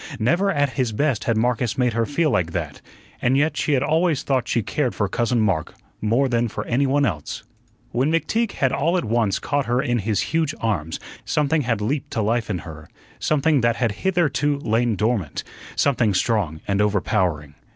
Never at his best had Marcus made her feel like that, and yet she had always thought she cared for Cousin Mark more than for any one else. When McTeague had all at once caught her in his huge arms, something had leaped to life in her something that had hitherto lain dormant, something strong and overpowering.